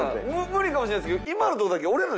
無理かもしれないんすけど。